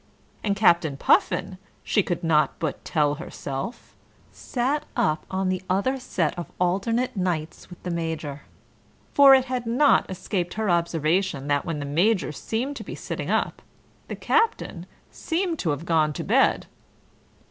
And Captain Puffin, she could not but tell herself, sat up on the other set of alternate nights with the Major, for it had not escaped her observation that when the Major seemed to be sitting up, the Captain seemed to have gone to bed.